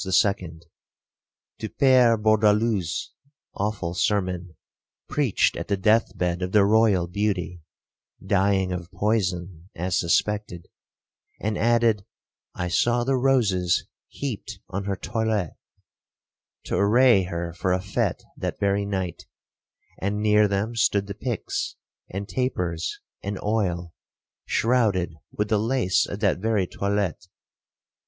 —to Pere Bourdaloue's awful sermon, preached at the death bed of the royal beauty, dying of poison, (as suspected); and added, I saw the roses heaped on her toilette, to array her for a fete that very night, and near them stood the pix, and tapers, and oil, shrouded with the lace of that very toilette.